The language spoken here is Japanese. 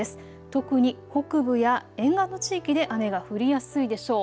特に北部や沿岸の地域で雨が降りやすいでしょう。